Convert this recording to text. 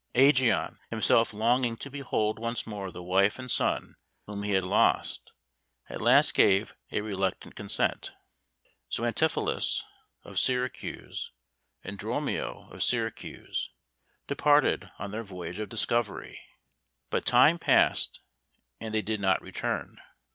Ægeon, himself longing to behold once more the wife and son whom he had lost, at last gave a reluctant consent. So Antipholus of Syracuse and Dromio of Syracuse departed on their voyage of discovery; but time passed, and they did not return.